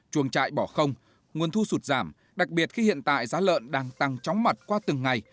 chuồng trại bỏ không nguồn thu sụt giảm đặc biệt khi hiện tại giá lợn đang tăng chóng mặt qua từng ngày